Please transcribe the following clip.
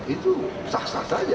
itu sah sah saja